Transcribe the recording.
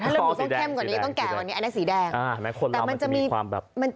ถ้าเลือดหมูต้องเข้มกว่านี้ต้องแก่กว่านี้อันนี้สีแดง